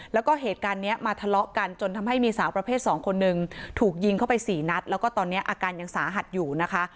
แล้วก็เหตุการณ์นี้มาทะเลาะกันจนทำให้มีสาวประเภทสองคนนึงถูกยิงเข้าไปสี่นัดแล้วก็ตอนนี้อาการยังสาหัสอยู่นะคะ